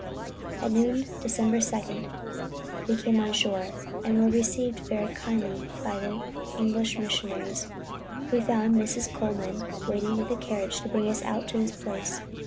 "At noon, Dec. 2d, we came on shore, ... and were received very kindly by the English Missionaries. We found Mrs. Colman waiting with a carriage to bring us out to this place.